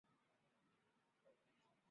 自然将一个随机变量赋予每个参与者。